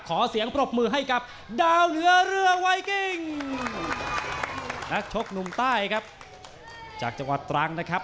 ขอเสียงปรบมือให้กับดาวเรือเรือไวกิ้งนักชกหนุ่มใต้ครับจากจังหวัดตรังนะครับ